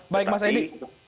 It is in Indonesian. baik mas edi